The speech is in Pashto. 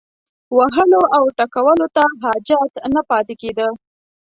وهلو او ټکولو ته حاجت نه پاتې کېده.